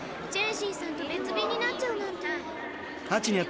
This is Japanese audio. チェンシンさんと別便になっちゃうなんて。